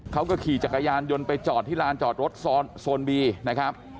เขาก็ขี่จักรยานยนต์ไปจอดที่ลานจอดรถโซนบีนะครับ